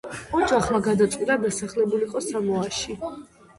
ოჯახმა გადაწყვიტა დასახლებულიყო სამოაში.